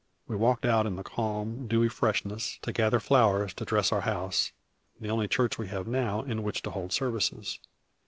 We walked out in the calm, dewy freshness, to gather flowers to dress our house, the only church we have now in which to hold services.